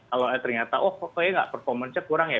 kalau ternyata oh pokoknya nggak performance nya kurang ya